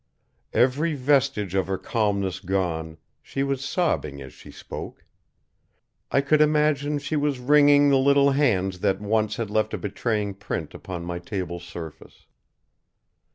Every vestige of her calmness gone, she was sobbing as she spoke. I could imagine she was wringing the little hands that once had left a betraying print upon my table's surface.